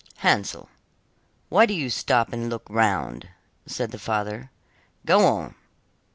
'Hansel, why do you stop and look round?' said the father, 'go on.